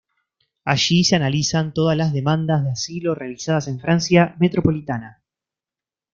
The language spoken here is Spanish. Allí se analizan todas las demandas de asilo realizadas en Francia metropolitana.